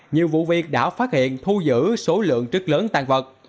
nhiều vụ việc đã phát hiện thu giữ số lượng trức lớn tàn vật